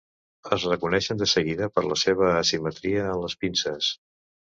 Es reconeixen de seguida per la seva asimetria en les pinces.